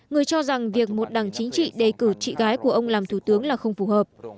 người cho rằng việc một đảng chính trị đề cử chị gái của ông làm thủ tướng là không phù hợp